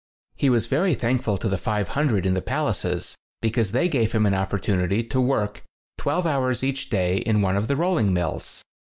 He was very thankful to the 500 in the palaces, because they gave him an opportunity to work twelve hours each day in one of the rolling mills.